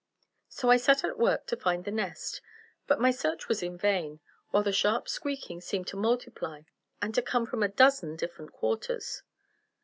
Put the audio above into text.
So I set at work to find the nest, but my search was in vain, while the sharp squeaking seemed to multiply and to come from a dozen different quarters.